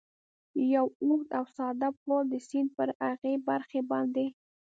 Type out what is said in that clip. یو اوږد او ساده پل و، د سیند پر هغې برخې باندې.